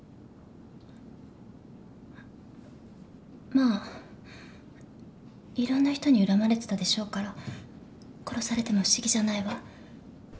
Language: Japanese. まあいろんな人に恨まれてたでしょうから殺されても不思議じゃないわ。